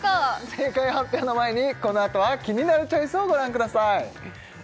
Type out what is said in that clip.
正解発表の前にこの後は「キニナルチョイス」をご覧ください